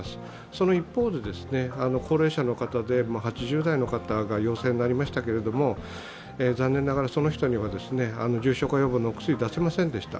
その一方で高齢者の方で８０代の方が陽性になりましたけれども、残念ながらその人には重症化予防のお薬を出せませんでした。